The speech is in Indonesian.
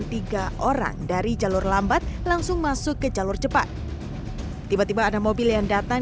tiga orang dari jalur lambat langsung masuk ke jalur cepat tiba tiba ada mobil yang datang